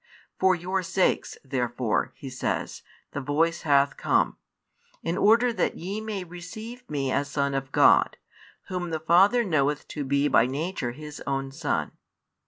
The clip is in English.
For your sakes therefore, He says, the Voice hath come; in order that ye may receive Me as Son of God, Whom the Father knoweth to be by Nature His own Son.